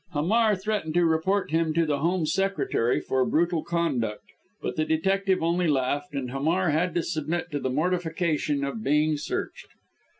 Hamar threatened to report him to the Home Secretary for brutal conduct, but the detective only laughed, and Hamar had to submit to the mortification of being searched.